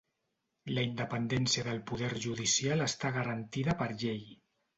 La independència del poder judicial està garantida per llei.